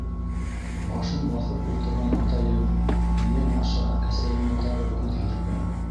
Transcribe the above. Башын баҫып ултырған атайым минән аша әсәйемә тағы күҙ һирпә.